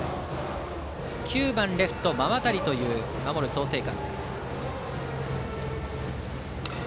９番レフト、馬渡という守る創成館。